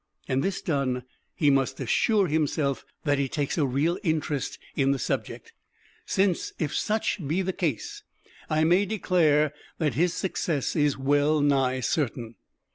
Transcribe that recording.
And this done he must assure himself that he takes a real interest in the subject, since if such be the case I may declare that his success is well nigh certain.